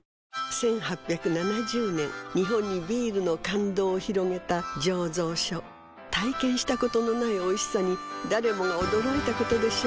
１８７０年日本にビールの感動を広げた醸造所体験したことのないおいしさに誰もが驚いたことでしょう